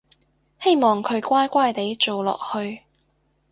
希望佢乖乖哋做落去